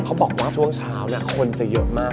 เขาบอกว่าช่วงเช้าคนจะเยอะมาก